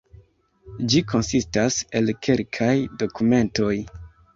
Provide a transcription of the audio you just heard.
Ĝi konsistas el kelkaj dokumentoj.